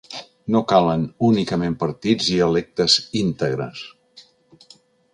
No calen únicament partits i electes íntegres.